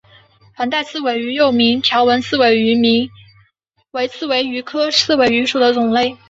横带刺尾鱼又名条纹刺尾鱼为刺尾鱼科刺尾鱼属的鱼类。